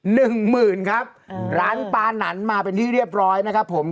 หนึ่งหมื่นครับอืมร้านปานันมาเป็นที่เรียบร้อยนะครับผม